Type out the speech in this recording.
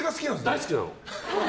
大好きなの！